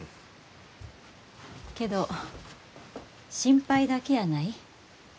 けど心配だけやない。